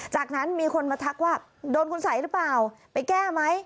จากนั้นมีคนมาทักว่าโดนคุณสัยหรือเปล่าไปแก้ไหม